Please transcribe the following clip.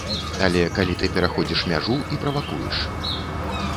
Але калі ты пераходзіш мяжу і правакуеш.